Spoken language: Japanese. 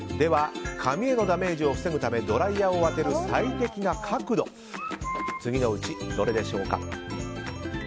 髪へのダメージを防ぐためドライヤーを当てる最適な角度は次のうちどれでしょうか。